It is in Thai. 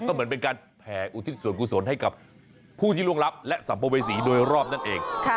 ก็เหมือนเป็นการแผ่อุทิศส่วนกุศลให้กับผู้ที่ล่วงรับและสัมภเวษีโดยรอบนั่นเอง